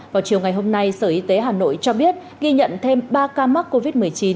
vào chiều ngày hôm nay sở y tế hà nội cho biết ghi nhận thêm ba ca mắc covid một mươi chín